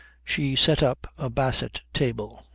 She set up a basset table.